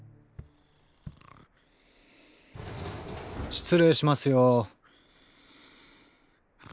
失礼しますよ。